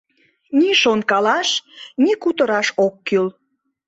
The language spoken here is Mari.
Ни шонкалаш, ни кутыраш ок кӱл.